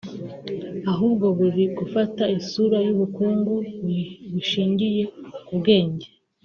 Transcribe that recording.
ahubwo buri gufata isura y’ubukungu bushingiye ku bwenge